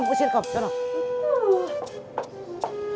udah ke sini ke sini